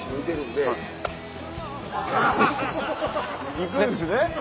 行くんですね。